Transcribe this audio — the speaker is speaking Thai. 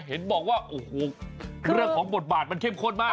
เห็นบอกว่าโอ้โหเรื่องของบทบาทมันเข้มข้นมาก